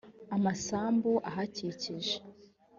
amasambu ahakikije